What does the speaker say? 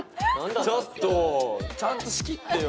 ちょっとちゃんとしきってよ